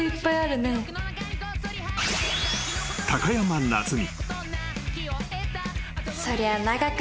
［高山夏実］